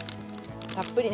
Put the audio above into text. たっぷりね。